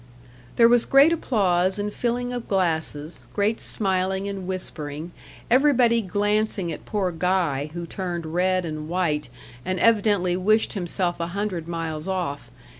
There was great applause and filling of glasses; great smiling and whispering; everybody glancing at poor Guy, who turned red and white, and evidently wished himself a hundred miles off.